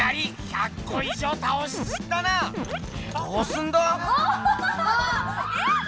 どうすんだ？